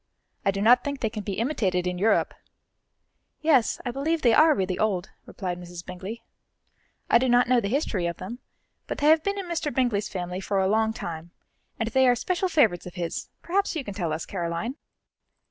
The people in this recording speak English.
I do not think they can be imitated in Europe." "Yes, I believe they are really old," replied Mrs. Bingley. "I do not know the history of them, but they have been in Mr. Bingley's family for a long time, and they are special favourites of his; perhaps you can tell us, Caroline?"